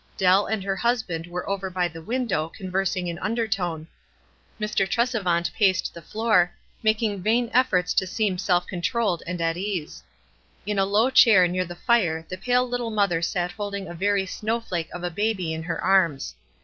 Dell and her husband were over by the window conversing in undertone. Mr. Tresevant paced the floor, making vain efforts to seem self controlled and at ease. In a low chair near the fire the pale little mother sat holding a very snow flake of a baby in her arms.